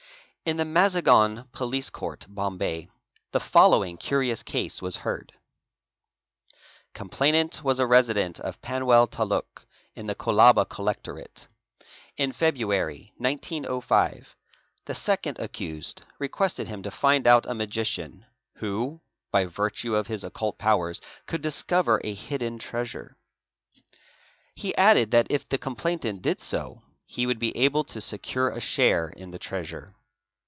In the Mazagon Police Court, Bombay, the following curious case was heard :— Complainant was a resident of Panwel taluk, in the Kolaba. Collec torate. In February, 1905, the second accused requested him to find out '@ magician, who, by virtue of his occult powers, could discover a hidden treasure. He added that if the complainant did so, he would be able to ' Secure a share in the treasure.